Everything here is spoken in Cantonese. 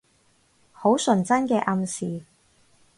好純真嘅暗示